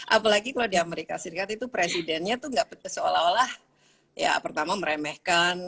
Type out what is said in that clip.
apalagi kalau di amerika serikat itu presidennya tuh nggak seolah olah ya pertama meremehkan